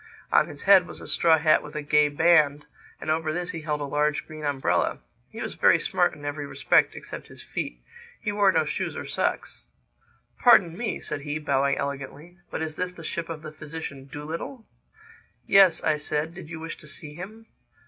On his head was a straw hat with a gay band; and over this he held a large green umbrella. He was very smart in every respect except his feet. He wore no shoes or socks. "Pardon me," said he, bowing elegantly, "but is this the ship of the physician Dolittle?" "Yes," I said, "did you wish to see him?"